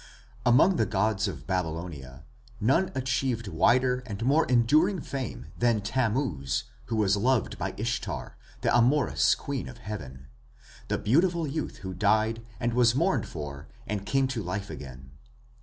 Among the gods of Babylonia none achieved wider and more enduring fame than Tammuz, who was loved by Ishtar, the amorous Queen of Heaven the beautiful youth who died and was mourned for and came to life again.